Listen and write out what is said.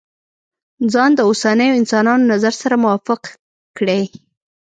ځان د اوسنيو انسانانو نظر سره موافق کړي.